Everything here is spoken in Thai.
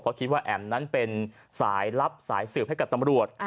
เพราะคิดว่าแอ๋มนั้นเป็นสายลับสายสืบให้กับตำรวจ